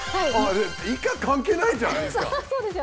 いか関係ないじゃないですか！